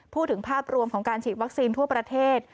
พูดถึงภาพรวมของการฉีดวัคซีนทั่วประเทศ